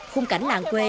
khung cảnh làng quê